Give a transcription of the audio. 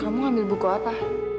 kamu ngambil buku apa